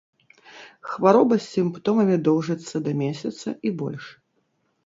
Хвароба з сімптомамі доўжыцца да месяца і больш.